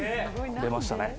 出ましたね